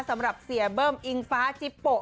สำหรับเสียเบิ้มอิงฟ้าจิโปะ